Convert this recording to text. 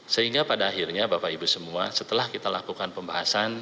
sehingga pada akhirnya bapak ibu semua setelah kita lakukan pembahasan